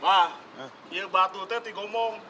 wah ini bapak tuh tadi ngomong